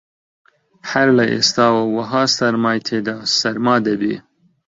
هەر لە ئێستاوە وەها سەرمای تێدا سەرما دەبێ